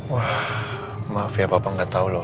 wah maaf ya papa gak tau loh